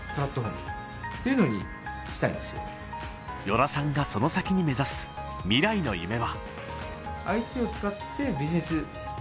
與良さんがその先に目指す未来の夢は？